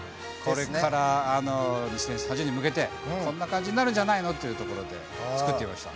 これから２０３０年に向けてこんな感じになるんじゃないの？というところで作ってみました。